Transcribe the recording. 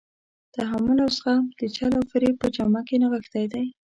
تحمل او زغم د چل او فریب په جامه کې نغښتی دی.